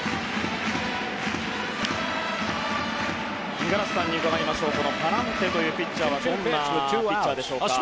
五十嵐さんに伺いましょうパランテというピッチャーはどんなピッチャーでしょうか。